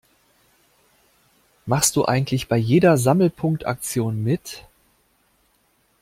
Machst du eigentlich bei jeder Sammelpunkte-Aktion mit?